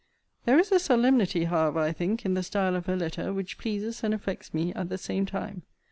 There is a solemnity, however, I think, in the style of her letter, which pleases and affects me at the same time.